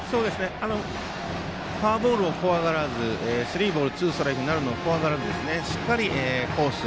フォアボールを怖がらずスリーボールツーストライクになるのを怖がらずしっかりコース